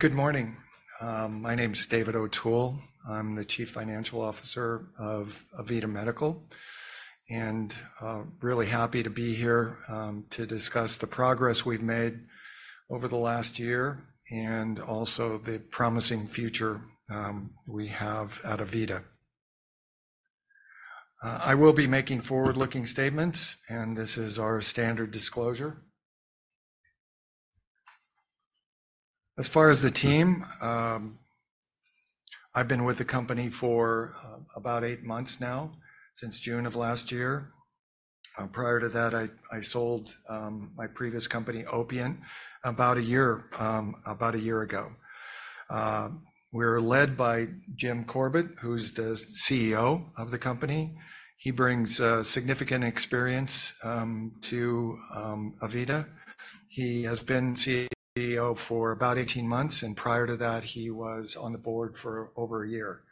Good morning. My name's David O'Toole. I'm the Chief Financial Officer of AVITA Medical, and really happy to be here, to discuss the progress we've made over the last year and also the promising future we have at AVITA. I will be making forward-looking statements, and this is our standard disclosure. As far as the team, I've been with the company for about eight months now, since June of last year. Prior to that, I sold my previous company, Opiant, about a year, about a year ago. We're led by Jim Corbett, who's the CEO of the company. He brings significant experience to AVITA. He has been CEO for about 18 months, and prior to that, he was on the board for over a year.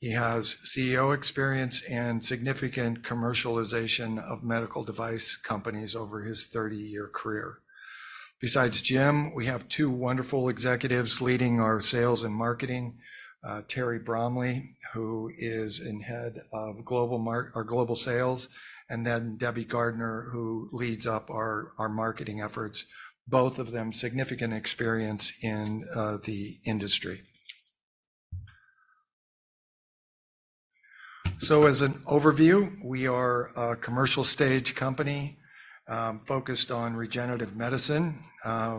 He has CEO experience and significant commercialization of medical device companies over his 30-year career. Besides Jim, we have two wonderful executives leading our sales and marketing, Terry Bromley, who is head of our global sales, and then Debbie Garner, who leads our marketing efforts, both of them significant experience in the industry. So as an overview, we are a commercial stage company, focused on regenerative medicine,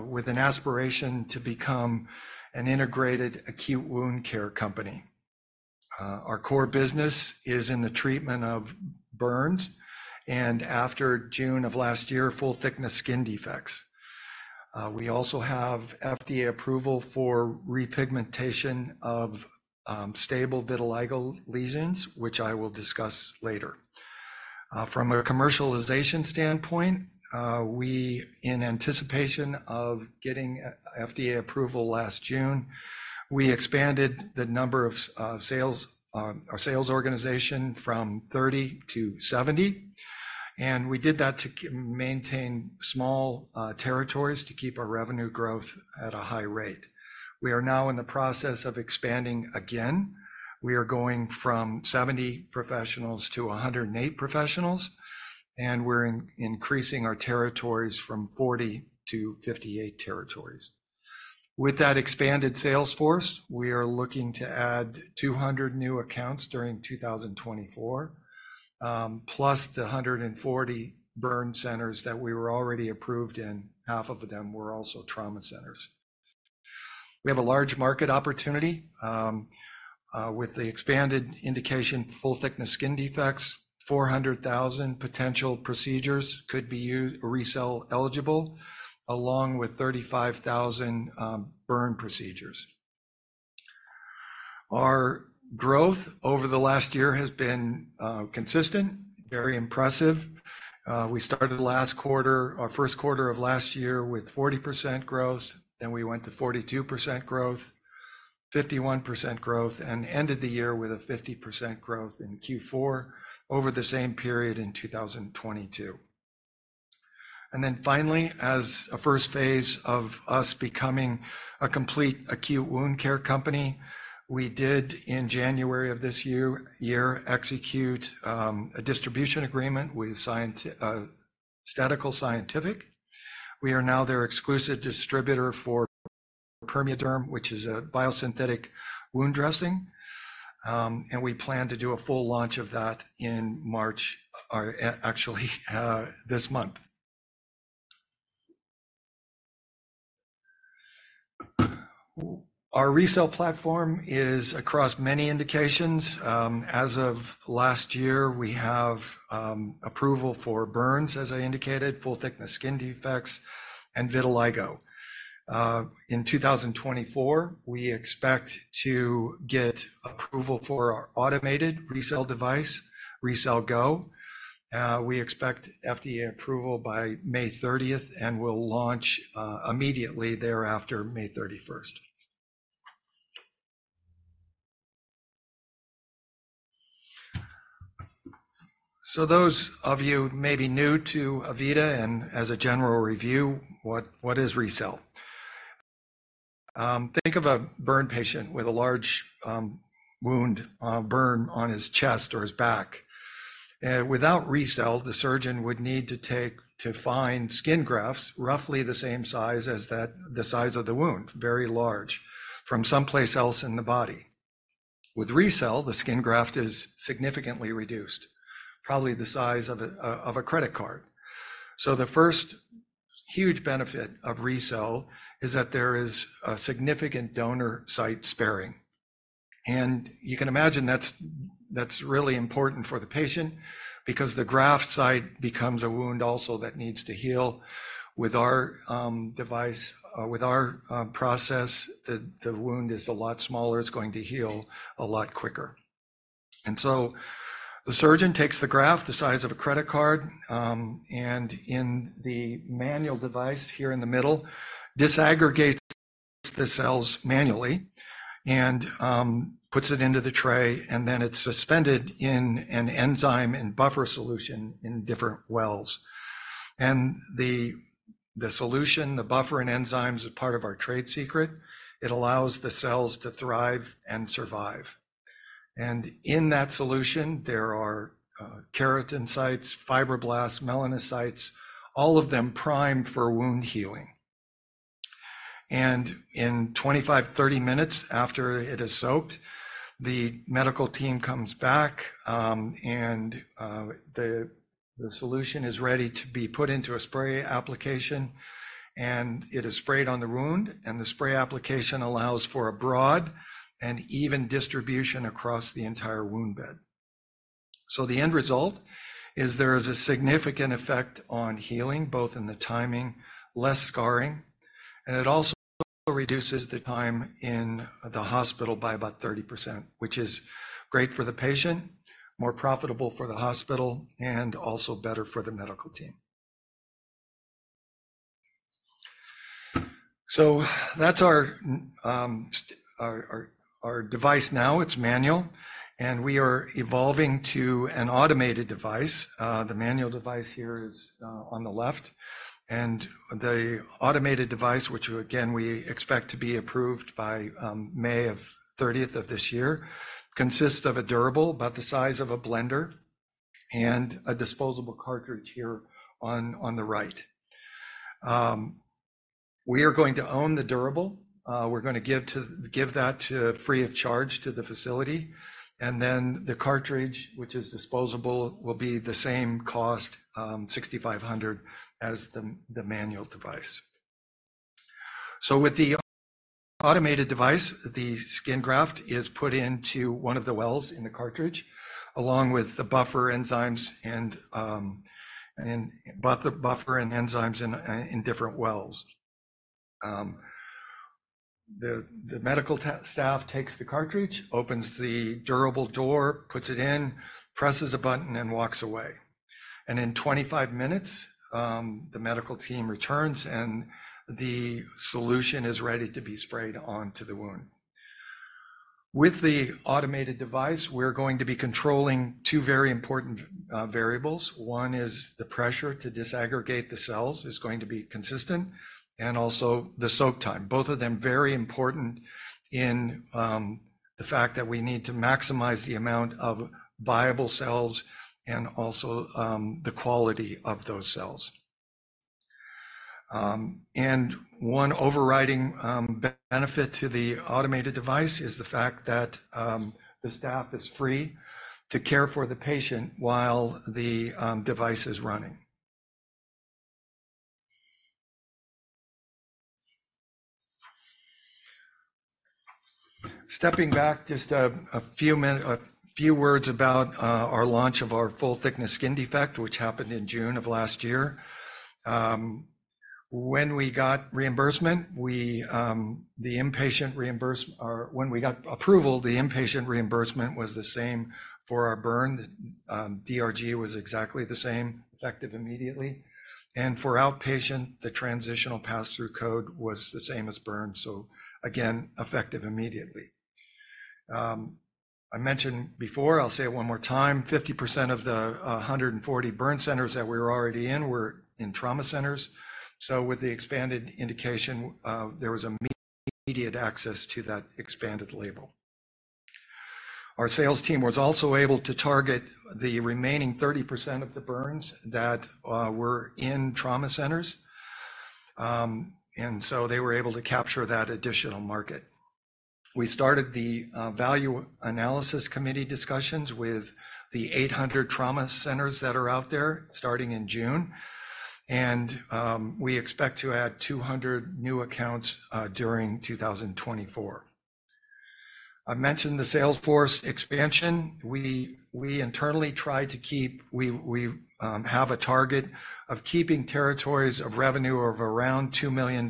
with an aspiration to become an integrated acute wound care company. Our core business is in the treatment of burns and, after June of last year, full-thickness skin defects. We also have FDA approval for depigmentation of stable vitiligo lesions, which I will discuss later. From a commercialization standpoint, we, in anticipation of getting FDA approval last June, expanded the number of sales, our sales organization from 30 to 70, and we did that to maintain small territories to keep our revenue growth at a high rate. We are now in the process of expanding again. We are going from 70 professionals to 108 professionals, and we're increasing our territories from 40 to 58 territories. With that expanded sales force, we are looking to add 200 new accounts during 2024, plus the 140 burn centers that we were already approved in, half of them were also trauma centres. We have a large market opportunity, with the expanded indication full-thickness skin defects, 400,000 potential procedures could be used RECELL eligible, along with 35,000 burn procedures. Our growth over the last year has been consistent, very impressive. We started last quarter, our first quarter of last year with 40% growth, then we went to 42% growth, 51% growth, and ended the year with a 50% growth in Q4 over the same period in 2022. And then finally, as a first phase of us becoming a complete acute wound care company, we did, in January of this year, execute a distribution agreement with Stedical Scientific. We are now their exclusive distributor for PermeaDerm, which is a biosynthetic wound dressing. And we plan to do a full launch of that in March, or actually, this month. Our RECELL platform is across many indications. As of last year, we have approval for burns, as I indicated, full-thickness skin defects, and vitiligo. In 2024, we expect to get approval for our automated RECELL device, RECELL GO. We expect FDA approval by May 30th and will launch immediately thereafter, May 31st. So those of you may be new to AVITA and, as a general review, what is RECELL? Think of a burn patient with a large wound, burn on his chest or his back. Without RECELL, the surgeon would need to take to find skin grafts roughly the same size as that, the size of the wound, very large, from someplace else in the body. With RECELL, the skin graft is significantly reduced, probably the size of a, of a credit card. So the first huge benefit of RECELL is that there is a significant donor site sparing. And you can imagine that's, that's really important for the patient because the graft site becomes a wound also that needs to heal. With our, device, with our, process, the, the wound is a lot smaller. It's going to heal a lot quicker. And so the surgeon takes the graft the size of a credit card, and in the manual device here in the middle, disaggregates the cells manually and puts it into the tray, and then it's suspended in an enzyme and buffer solution in different wells. And the, the solution, the buffer and enzymes is part of our trade secret. It allows the cells to thrive and survive. And in that solution, there are keratinocytes, fibroblasts, melanocytes, all of them primed for wound healing. And in 25-30 minutes after it is soaked, the medical team comes back, and the, the solution is ready to be put into a spray application. And it is sprayed on the wound, and the spray application allows for a broad and even distribution across the entire wound bed. So the end result is there is a significant effect on healing, both in the timing, less scarring. And it also reduces the time in the hospital by about 30%, which is great for the patient, more profitable for the hospital, and also better for the medical team. So that's our device now. It's manual. And we are evolving to an automated device. The manual device here is on the left. And the automated device, which again, we expect to be approved by May 30th of this year, consists of a durable about the size of a blender and a disposable cartridge here on the right. We are going to own the durable. We're going to give that free of charge to the facility. And then the cartridge, which is disposable, will be the same cost, $6,500 as the manual device. So with the automated device, the skin graft is put into one of the wells in the cartridge, along with the buffer enzymes and buffer and enzymes in different wells. The medical staff takes the cartridge, opens the durable door, puts it in, presses a button, and walks away. And in 25 minutes, the medical team returns and the solution is ready to be sprayed onto the wound. With the automated device, we're going to be controlling two very important variables. One is the pressure to disaggregate the cells is going to be consistent, and also the soak time, both of them very important in the fact that we need to maximize the amount of viable cells and also the quality of those cells. And one overriding benefit to the automated device is the fact that the staff is free to care for the patient while the device is running. Stepping back just a few minutes, a few words about our launch of our full-thickness skin defect, which happened in June of last year. When we got reimbursement, the inpatient reimbursement, or when we got approval, the inpatient reimbursement was the same for our burn DRG was exactly the same, effective immediately. And for outpatient, the transitional pass-through code was the same as burn. So again, effective immediately. I mentioned before, I'll say it one more time, 50% of the 140 burn centers that we were already in were in trauma centers. So with the expanded indication, there was immediate access to that expanded label. Our sales team was also able to target the remaining 30% of the burns that were in trauma centers, and so they were able to capture that additional market. We started the value analysis committee discussions with the 800 trauma centers that are out there starting in June. And we expect to add 200 new accounts during 2024. I mentioned the sales force expansion. We internally try to keep. We have a target of keeping territories of revenue of around $2 million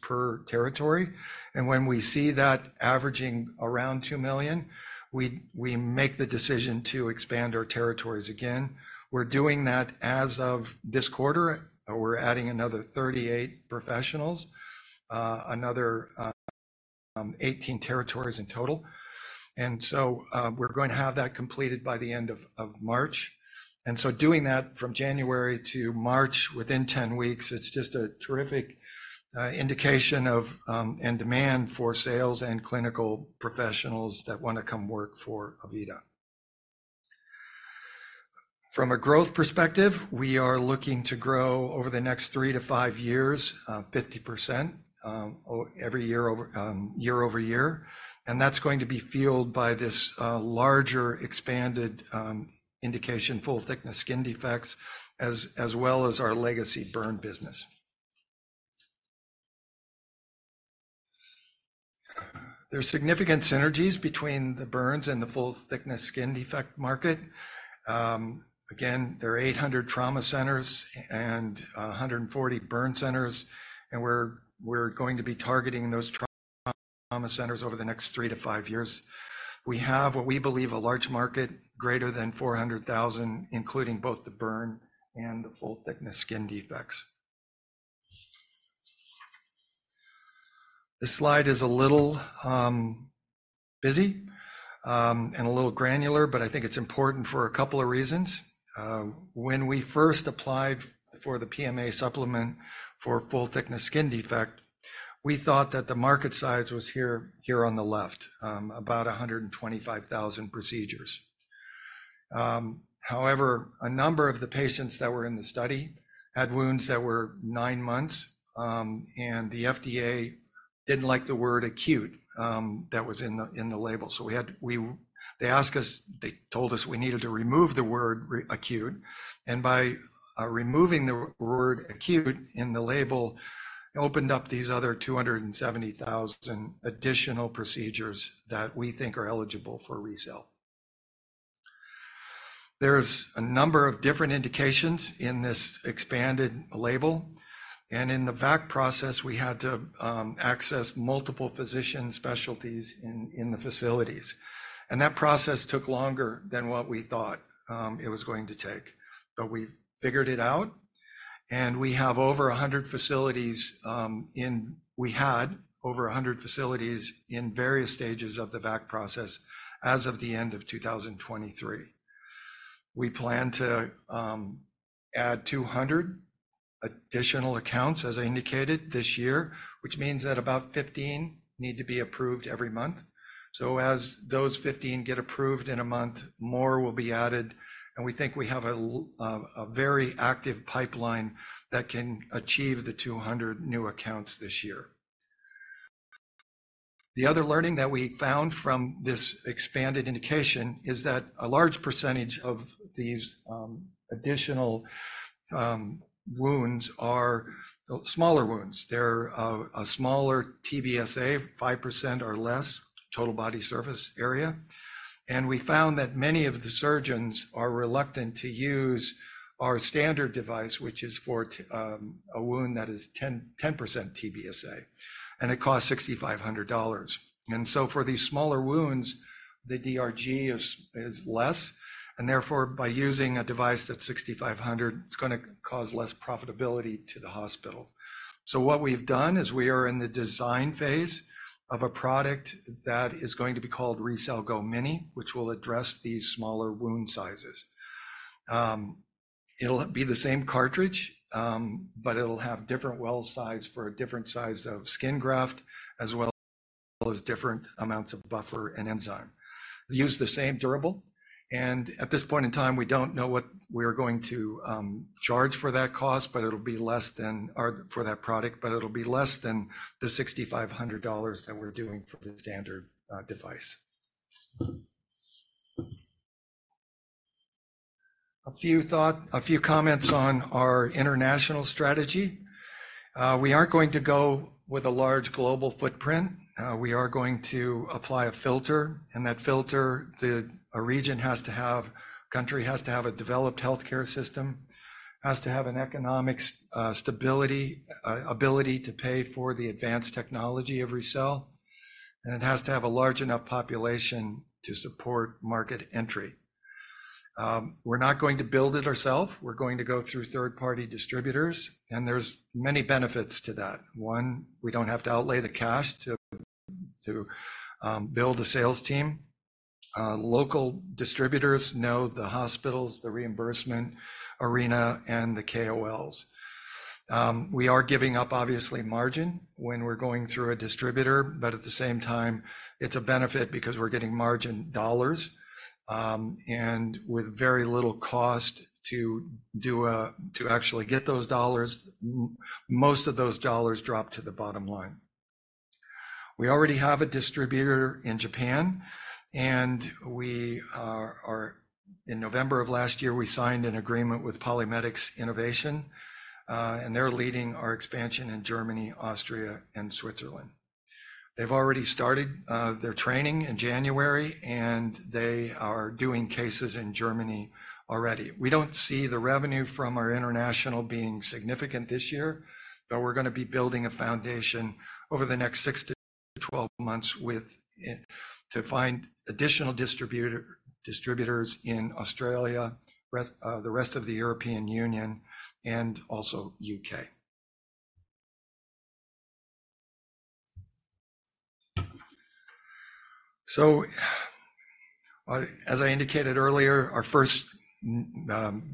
per territory. And when we see that averaging around $2 million, we make the decision to expand our territories again. We're doing that as of this quarter. We're adding another 38 professionals, another 18 territories in total. And so we're going to have that completed by the end of March. So doing that from January to March within 10 weeks, it's just a terrific indication of and demand for sales and clinical professionals that want to come work for AVITA. From a growth perspective, we are looking to grow over the next three to five years, 50% every year year-over-year. And that's going to be fueled by this larger expanded indication full-thickness skin defects, as well as our legacy burn business. There's significant synergies between the burns and the full-thickness skin defect market. Again, there are 800 trauma centers and 140 burn centers. And we're going to be targeting those trauma centers over the next three to five years. We have what we believe a large market greater than 400,000, including both the burn and the full-thickness skin defects. This slide is a little busy, and a little granular, but I think it's important for a couple of reasons. When we first applied for the PMA supplement for full-thickness skin defect, we thought that the market size was here, here on the left, about 125,000 procedures. However, a number of the patients that were in the study had wounds that were nine months, and the FDA didn't like the word acute, that was in the, in the label. So they asked us, they told us we needed to remove the word acute. And by removing the word acute in the label, it opened up these other 270,000 additional procedures that we think are eligible for RECELL. There's a number of different indications in this expanded label. And in the VAC process, we had to access multiple physician specialties in, in the facilities. And that process took longer than what we thought it was going to take. But we figured it out. And we have over 100 facilities we had over 100 facilities in various stages of the VAC process as of the end of 2023. We plan to add 200 additional accounts, as I indicated, this year, which means that about 15 need to be approved every month. So as those 15 get approved in a month, more will be added. And we think we have a very active pipeline that can achieve the 200 new accounts this year. The other learning that we found from this expanded indication is that a large percentage of these additional wounds are smaller wounds. They're a smaller TBSA, 5% or less total body surface area. We found that many of the surgeons are reluctant to use our standard device, which is for a wound that is 10% TBSA. It costs $6,500. So for these smaller wounds, the DRG is less. And therefore, by using a device that's $6,500, it's going to cause less profitability to the hospital. So what we've done is we are in the design phase of a product that is going to be called RECELL GO mini, which will address these smaller wound sizes. It'll be the same cartridge, but it'll have different well size for a different size of skin graft, as well as different amounts of buffer and enzyme. Use the same durable. At this point in time, we don't know what we're going to charge for that cost, but it'll be less than our for that product, but it'll be less than the $6,500 that we're doing for the standard device. A few thoughts, a few comments on our international strategy. We aren't going to go with a large global footprint. We are going to apply a filter. And that filter, the region has to have, country has to have a developed healthcare system, has to have an economic stability, ability to pay for the advanced technology of RECELL. And it has to have a large enough population to support market entry. We're not going to build it ourselves. We're going to go through third-party distributors. And there's many benefits to that. One, we don't have to outlay the cash to build a sales team. Local distributors know the hospitals, the reimbursement arena, and the KOLs. We are giving up, obviously, margin when we're going through a distributor, but at the same time, it's a benefit because we're getting margin dollars. With very little cost to actually get those dollars, most of those dollars drop to the bottom line. We already have a distributor in Japan. And we are in November of last year, we signed an agreement with PolyMedics Innovations. And they're leading our expansion in Germany, Austria, and Switzerland. They've already started their training in January, and they are doing cases in Germany already. We don't see the revenue from our international being significant this year, but we're going to be building a foundation over the next six to 12 months to find additional distributors in Australia, the rest of the European Union, and also UK. So, as I indicated earlier, our first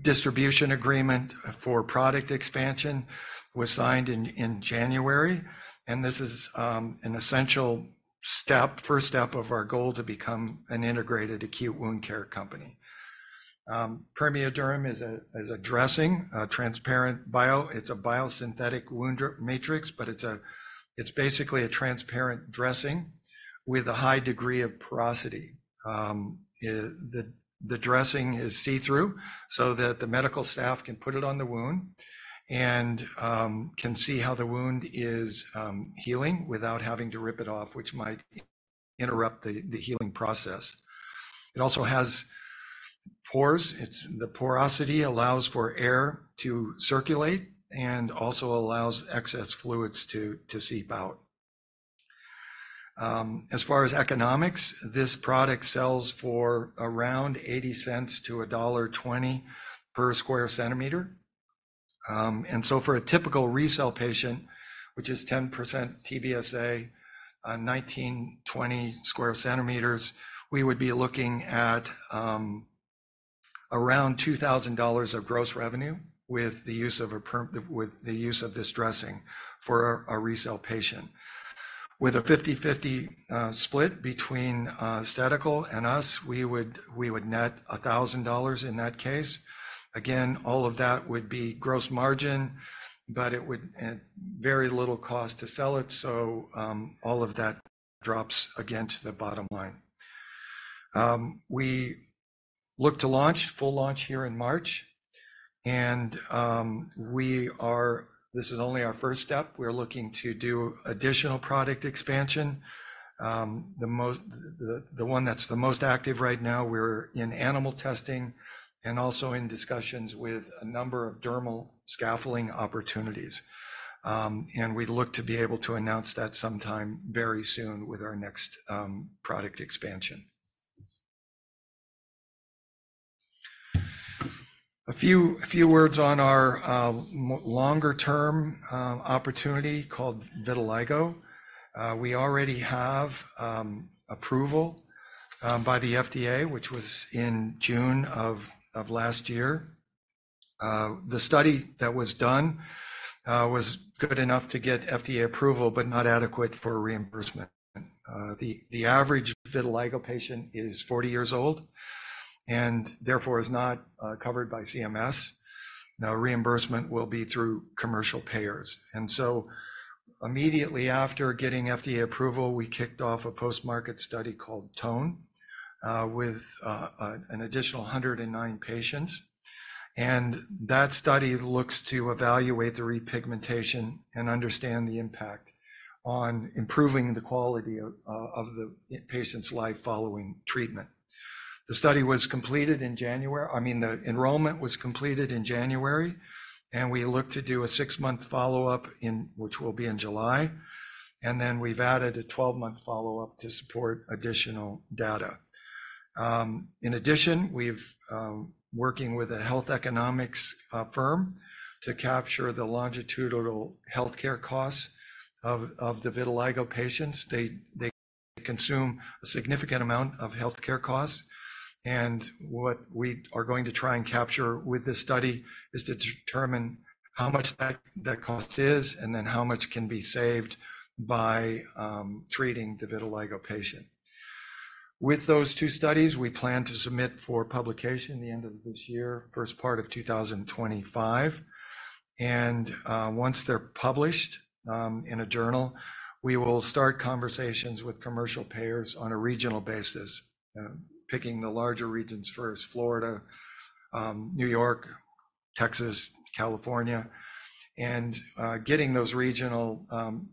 distribution agreement for product expansion was signed in January. And this is an essential step, first step of our goal to become an integrated acute wound care company. PermeaDerm is a dressing, a transparent bio. It's a biosynthetic wound matrix, but it's basically a transparent dressing with a high degree of porosity. The dressing is see-through so that the medical staff can put it on the wound and can see how the wound is healing without having to rip it off, which might interrupt the healing process. It also has pores. The porosity allows for air to circulate and also allows excess fluids to seep out. As far as economics, this product sells for around $0.80-$1.20 per square centimeter. For a typical RECELL patient, which is 10% TBSA on 1,920 square centimeters, we would be looking at around $2,000 of gross revenue with the use of this dressing for a RECELL patient. With a 50/50 split between Stedical and us, we would net $1,000 in that case. Again, all of that would be gross margin, but it would at very little cost to sell it. So all of that drops again to the bottom line. We look to launch, full launch here in March. And we are, this is only our first step. We're looking to do additional product expansion. The one that's the most active right now, we're in animal testing and also in discussions with a number of dermal scaffolding opportunities. We look to be able to announce that sometime very soon with our next product expansion. A few words on our longer-term opportunity called Vitiligo. We already have approval by the FDA, which was in June of last year. The study that was done was good enough to get FDA approval, but not adequate for reimbursement. The average Vitiligo patient is 40 years old. Therefore is not covered by CMS. Now reimbursement will be through commercial payers. So immediately after getting FDA approval, we kicked off a post-market study called TONE with an additional 109 patients. That study looks to evaluate the repigmentation and understand the impact on improving the quality of the patient's life following treatment. The study was completed in January. I mean, the enrollment was completed in January. We look to do a 6-month follow-up, which will be in July. Then we've added a 12-month follow-up to support additional data. In addition, we're working with a health economics firm to capture the longitudinal healthcare costs of the Vitiligo patients. They consume a significant amount of healthcare costs. What we are going to try and capture with this study is to determine how much that cost is and then how much can be saved by treating the Vitiligo patient. With those two studies, we plan to submit for publication the end of this year, first part of 2025. Once they're published in a journal, we will start conversations with commercial payers on a regional basis, picking the larger regions first, Florida, New York, Texas, California, and getting those regional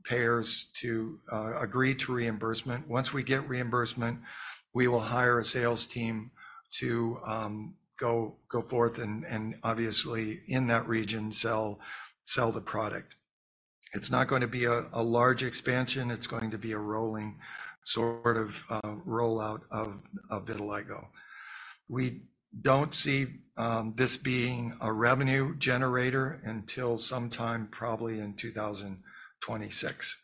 payers to agree to reimbursement. Once we get reimbursement, we will hire a sales team to go forth and obviously in that region sell the product. It's not going to be a large expansion. It's going to be a rolling sort of rollout of vitiligo. We don't see this being a revenue generator until sometime probably in 2026.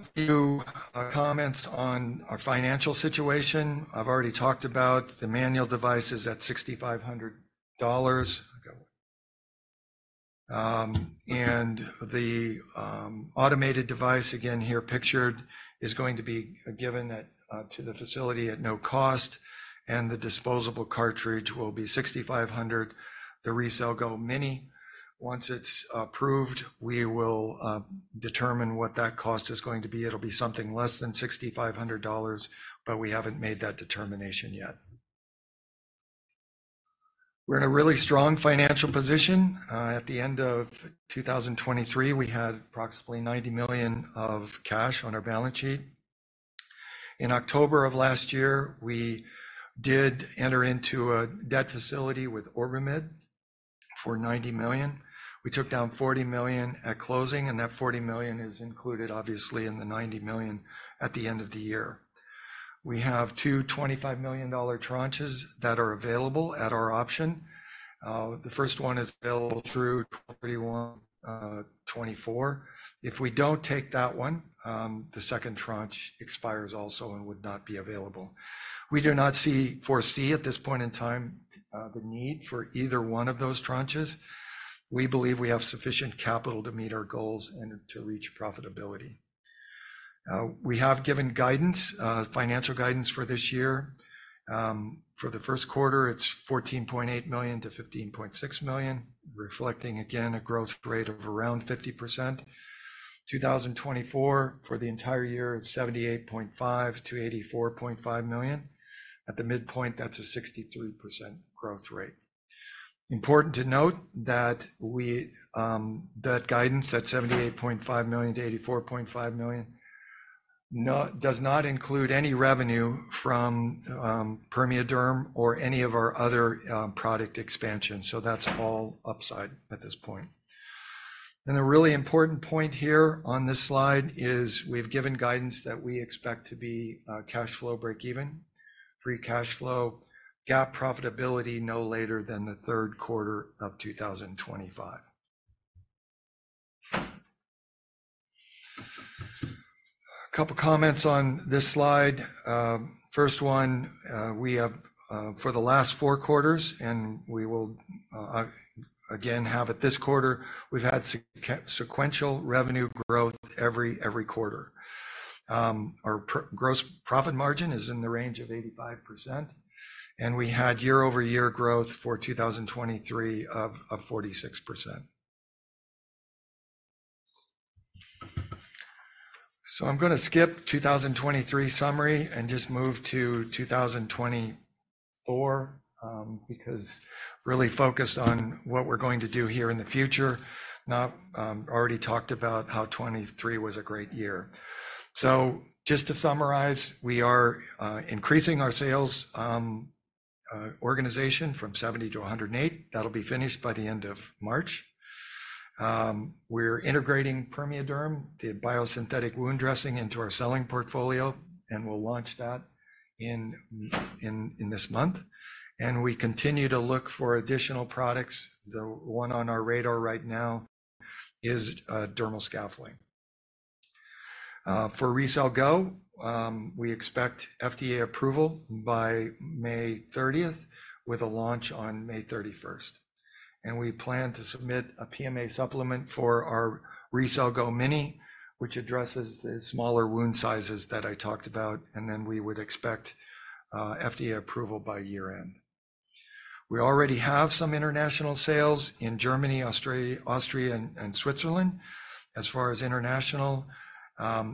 A few comments on our financial situation. I've already talked about the manual devices at $6,500. The automated device, again here pictured, is going to be given to the facility at no cost. The disposable cartridge will be $6,500. The RECELL GO Mini, once it's approved, we will determine what that cost is going to be. It'll be something less than $6,500, but we haven't made that determination yet. We're in a really strong financial position. At the end of 2023, we had approximately $90 million of cash on our balance sheet. In October of last year, we did enter into a debt facility with OrbiMed for $90 million. We took down $40 million at closing, and that $40 million is included, obviously, in the $90 million at the end of the year. We have two $25 million tranches that are available at our option. The first one is available through 2024. If we don't take that one, the second tranche expires also and would not be available. We do not foresee at this point in time the need for either one of those tranches. We believe we have sufficient capital to meet our goals and to reach profitability. We have given guidance, financial guidance for this year. For the first quarter, it's $14.8 million-$15.6 million, reflecting again a growth rate of around 50%. 2024, for the entire year, it's $78.5 million-$84.5 million. At the midpoint, that's a 63% growth rate. Important to note that we, that guidance at $78.5 million-$84.5 million does not include any revenue from PermeaDerm or any of our other, product expansion. So that's all upside at this point. And the really important point here on this slide is we've given guidance that we expect to be, cash flow breakeven, free cash flow, GAAP profitability no later than the third quarter of 2025. A couple of comments on this slide. First one, we have, for the last four quarters, and we will, again have at this quarter, we've had sequential revenue growth every every quarter. Our gross profit margin is in the range of 85%. And we had year-over-year growth for 2023 of of 46%. So I'm going to skip 2023 summary and just move to 2024, because really focused on what we're going to do here in the future, not already talked about how 2023 was a great year. So just to summarize, we are increasing our sales organization from 70 to 108. That'll be finished by the end of March. We're integrating PermeaDerm, the biosynthetic wound dressing, into our selling portfolio, and we'll launch that in this month. And we continue to look for additional products. The one on our radar right now is dermal scaffolding. For RECELL GO, we expect FDA approval by May 30th with a launch on May 31st. And we plan to submit a PMA supplement for our RECELL GO Mini, which addresses the smaller wound sizes that I talked about, and then we would expect FDA approval by year-end. We already have some international sales in Germany, Austria, and Switzerland. As far as international,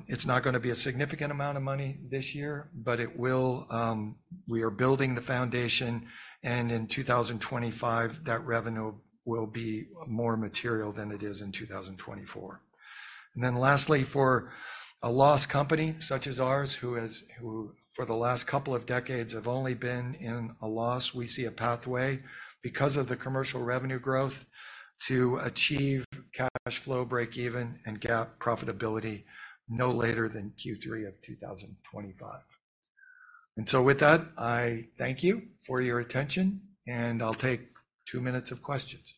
it's not going to be a significant amount of money this year, but it will, we are building the foundation, and in 2025, that revenue will be more material than it is in 2024. And then lastly, for a loss company such as ours, who has, who for the last couple of decades have only been in a loss, we see a pathway because of the commercial revenue growth to achieve cash flow breakeven and GAAP profitability no later than Q3 of 2025. And so with that, I thank you for your attention, and I'll take two minutes of questions.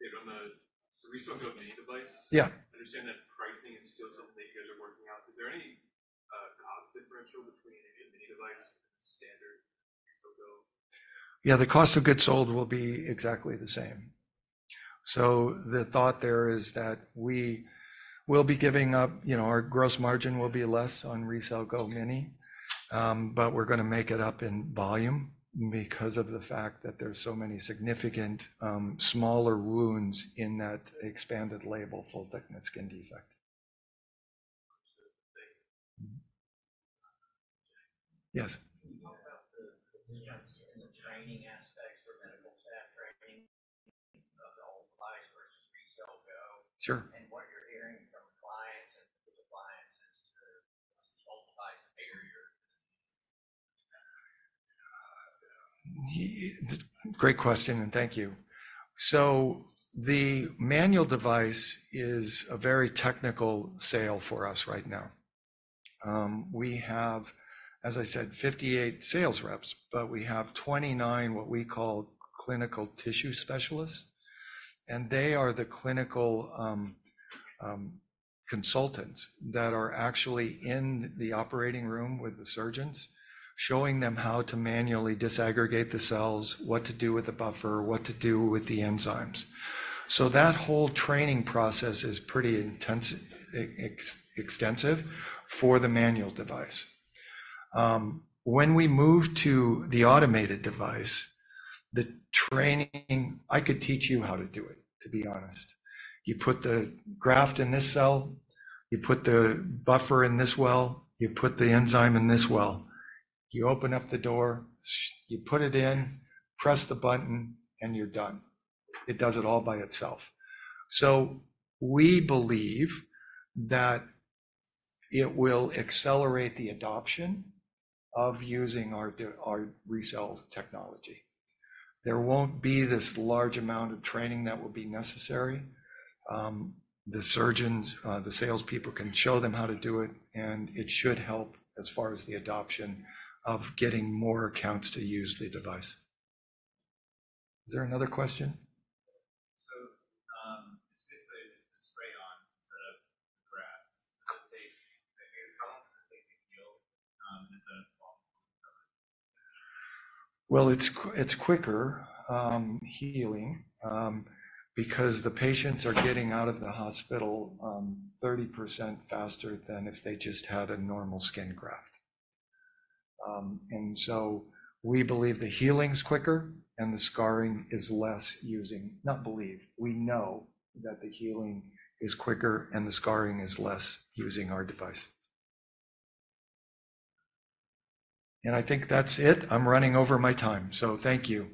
Yeah, on the RECELL GO Minii device, yeah, I understand that pricing is still something that you guys are working out. Is there any cost differential between a mini device and a standard RECELL GO? Yeah, the cost of goods sold will be exactly the same. So the thought there is that we will be giving up, you know, our gross margin will be less on RECELL GO Mini, but we're going to make it up in volume because of the fact that there's so many significant, smaller wounds in that expanded label, full-thickness skin defect. Yes. Can you talk about the training aspects for medical staff training of the old device versus RECELL GO? Sure. And what you're hearing from clients and the compliance as to what's the old device failure? Great question, and thank you. So the manual device is a very technical sale for us right now. We have, as I said, 58 sales reps, but we have 29 what we call clinical tissue specialists. They are the clinical consultants that are actually in the operating room with the surgeons, showing them how to manually disaggregate the cells, what to do with the buffer, what to do with the enzymes. So that whole training process is pretty extensive for the manual device. When we move to the automated device, the training, I could teach you how to do it, to be honest. You put the graft in this cell, you put the buffer in this well, you put the enzyme in this well. You open up the door, you put it in, press the button, and you're done. It does it all by itself. So we believe that it will accelerate the adoption of using our RECELL technology. There won't be this large amount of training that will be necessary. The surgeons, the salespeople can show them how to do it, and it should help as far as the adoption of getting more accounts to use the device. Is there another question? So it's basically a spray-on instead of the graft. How long does it take to heal? And is that a long-term recovery? Well, it's quicker healing because the patients are getting out of the hospital 30% faster than if they just had a normal skin graft. And so we believe the healing is quicker and the scarring is less using, not believe, we know that the healing is quicker and the scarring is less using our device. And I think that's it. I'm running over my time. So thank you.